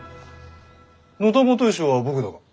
野田基善は僕だが。